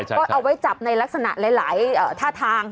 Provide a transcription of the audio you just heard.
ก็เอาไว้จับในลักษณะหลายท่าทาง